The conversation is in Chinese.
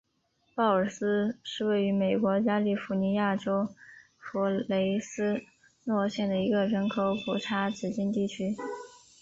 鲍尔斯是位于美国加利福尼亚州弗雷斯诺县的一个人口普查指定地区。